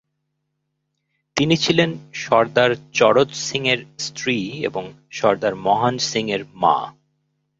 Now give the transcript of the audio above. তিনি ছিলেন সরদার চরত সিংয়ের স্ত্রী এবং সরদার মহান সিংয়ের মা।